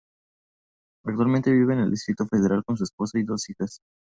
Actualmente, vive en el Distrito Federal con su esposa y sus dos hijas.